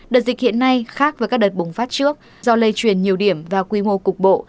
đợt dịch hiện nay khác với các đợt bùng phát trước do lây truyền nhiều điểm và quy mô cục bộ